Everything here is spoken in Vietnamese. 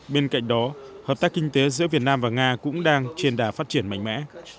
bên cạnh đó hợp tác kinh tế giữa việt nam và nga cũng đang trên đà phát triển mạnh mẽ